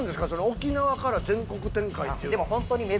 沖縄から全国展開っていう。